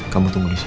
kamu tunggu di sini